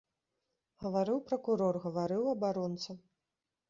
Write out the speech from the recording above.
Гаварыў пракурор, гаварыў абаронца.